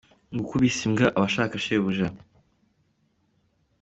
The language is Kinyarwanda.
Ngo “ukubise imbwa aba ashaka shebuja”